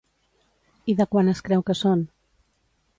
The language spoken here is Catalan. I de quan es creu que són?